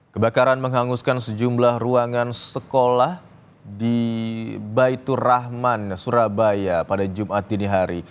kebakaran menghanguskan sejumlah ruangan sekolah di baitur rahman surabaya pada jumat dini hari